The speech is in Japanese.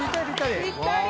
ぴったり！